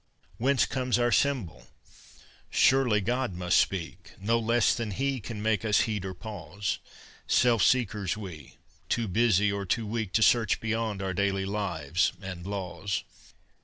Whence comes our symbol? Surely, God must speak No less than He can make us heed or pause: Self seekers we, too busy or too weak To search beyond our daily lives and laws.